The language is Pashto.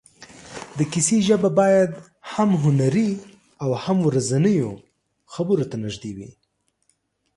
د کیسې ژبه باید هم هنري او هم ورځنیو خبرو ته نږدې وي.